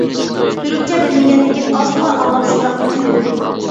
تۈركچە بىلمىگەندىكىن ئاز تولا ئاڭلاپ شۇنداقمىكىن دېدىم.